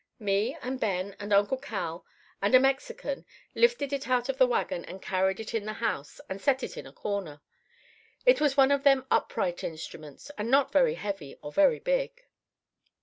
"Me and Ben and Uncle Cal and a Mexican lifted it out of the wagon and carried it in the house and set it in a corner. It was one of them upright instruments, and not very heavy or very big.